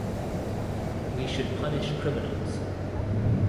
We should punish criminals.